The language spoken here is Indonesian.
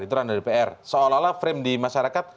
itu anda dpr seolah olah frame di masyarakat